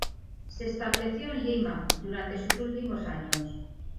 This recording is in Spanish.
Se estableció en Lima, durante sus últimos años.